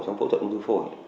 trong phẫu thuật ung thư phổi